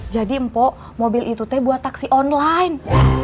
jadi empok mobil itu teh buat taksi online